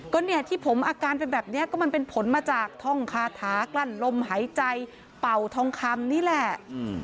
ก็เนี่ยที่ผมอาการเป็นแบบนี้ก็มันเป็นผลมาจากท่องคาถากลั้นลมหายใจเป่าทองคำนี่แหละ